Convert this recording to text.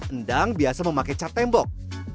endang biasa memakai cat tembok